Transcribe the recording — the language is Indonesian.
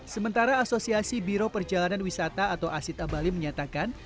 sementara asosiasi biro perjalanan wisata atau asita bali menyatakan